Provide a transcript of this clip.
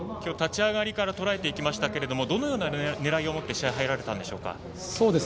立ち上がりからとらえていきましたがどのような狙いを持って試合、入られたんでしょうか？